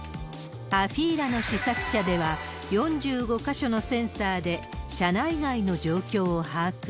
アフィーラの試作車では、４５か所のセンサーで、車内外の状況を把握。